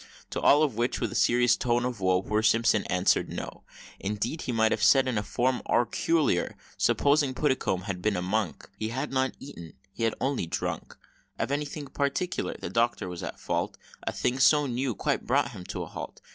To all of which, with serious tone of woe, Poor Simpson answered "No," Indeed he might have said in form auricular, Supposing Puddicome had been a monk He had not eaten (he had only drunk) Of anything "Particular." The Doctor was at fault; A thing so new quite brought him to a halt.